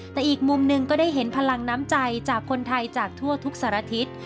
แต่อีกมุมหนึ่งก็ได้เห็นพลังน้ำใจจากคนไทยจากทั่วทุกสารทิศ